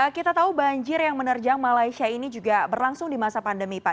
kita tahu banjir yang menerjang malaysia ini juga berlangsung di masa pandemi pak